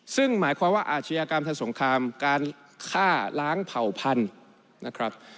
ซึ่งหมายความว่าอาชญากรรมทางสงครามการฆ่าล้างเผ่าพันธุ์นะครับ